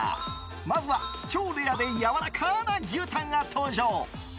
まずは超レアでやわらかな牛タンが登場。